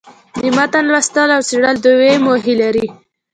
د متن لوستل او څېړل دوې موخي لري.